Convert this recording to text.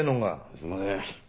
すんません。